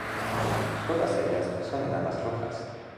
Todas ellas son enanas rojas.